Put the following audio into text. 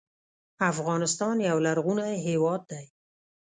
افغانستان یو لرغونی هیواد دی.